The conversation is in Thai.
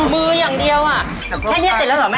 มือยังเดียวอะแค่ในติดแล้วหรอแม่